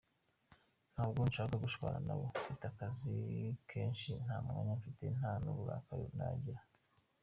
Ntabwo nshaka gushwana nawe, mfite akazi kenshi nta mwanya mfite, nta n’uburakari ndagira.